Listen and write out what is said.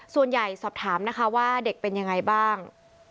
ส่วนใหญ่สอบถามนะคะว่าเด็กเป็นยังไงบ้าง